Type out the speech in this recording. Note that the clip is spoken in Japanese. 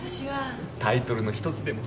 タイトルのひとつでも。